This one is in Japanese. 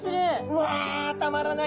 うわたまらない！